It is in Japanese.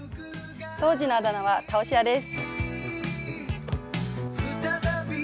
当時のあだ名は「倒し屋」です。